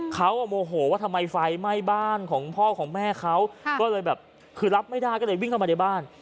เขาโมโหว่าทำไมไฟไหม้บ้านของพ่อของแม่เขาก็เลยแบบคือรับไม่ได้ก็เลยวิ่งเข้ามาในบ้าน